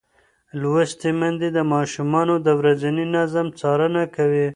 لوستې میندې د ماشومانو د ورځني نظم څارنه کوي.